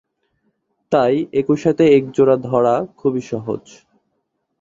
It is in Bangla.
তাই একই সাথে এক জোড়া ধরা খুবই সহজ।